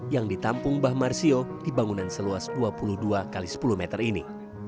yang ditampung mbah marsio di bangunan seluas dua puluh dua x sepuluh meter ini